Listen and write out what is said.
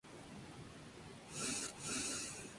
Durante su estancia en África Occidental muere su hija María.